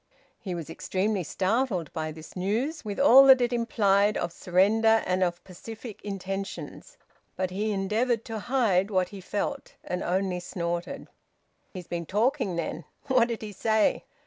He was extremely startled by this news, with all that it implied of surrender and of pacific intentions. But he endeavoured to hide what he felt, and only snorted. "He's been talking, then? What did he say?"